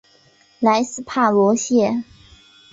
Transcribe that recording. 莱斯帕罗谢。